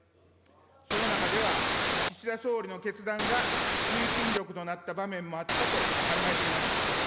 その中では、岸田総理の決断が推進力となった場面もあったと考えています。